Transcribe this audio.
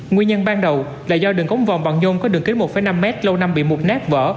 nguyên nhân ban đầu là do đường cống vòng bằng nhôm có đường kính một năm mét lâu năm bị mục nát vỡ